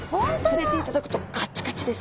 触れていただくとカチカチです。